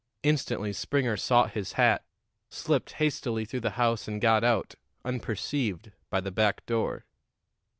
Instantly Springer sought his hat, slipped hastily through the house and got out, unperceived, by the back door.